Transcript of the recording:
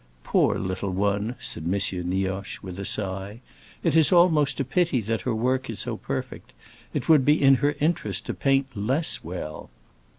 "Poor little one!" said M. Nioche, with a sigh; "it is almost a pity that her work is so perfect! It would be in her interest to paint less well."